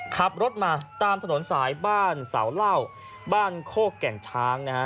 ขับรถมาตามถนนสายบ้านเสาเหล้าบ้านโคกแก่นช้างนะฮะ